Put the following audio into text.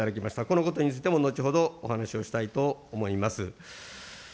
このことについても後ほどお話をしたいと思います。